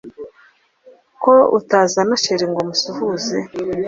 ko utazana sheri ngo musuhuze